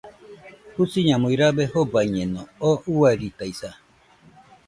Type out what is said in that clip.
Jusiñamui rabe jobaiñeno, oo uairitaisa